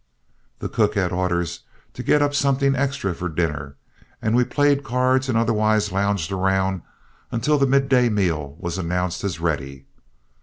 The cook had orders to get up something extra for dinner, and we played cards and otherwise lounged around until the midday meal was announced as ready.